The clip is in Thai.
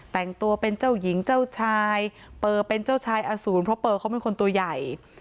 แต่งตัวเป็นเจ้าหญิงเจ้าชายเปอร์เป็นเจ้าชายอสูรเพราะเปอร์เขาเป็นคนตัวใหญ่